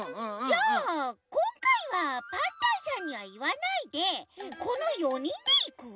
じゃあこんかいはパンタンさんにはいわないでこの４にんでいく？